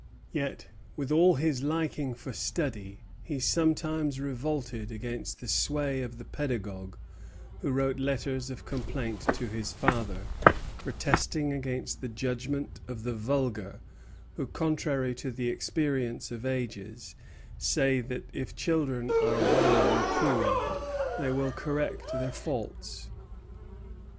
Yet, with all his liking for study, he sometimes revolted against the sway of the pedagogue who wrote letters of complaint to his father protesting against the "judgments of the vulgar, who, contrary to the experience of ages, say that if children are well reproved they will correct their faults."